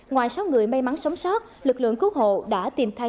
ngoài sáu người may mắn sống sót lực lượng cứu hộ đã tìm thấy